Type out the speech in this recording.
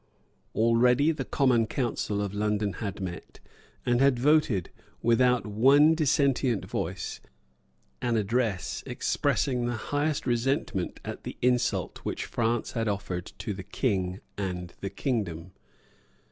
Already the Common Council of London had met, and had voted, without one dissentient voice, an address expressing the highest resentment at the insult which France had offered to the King and the kingdom.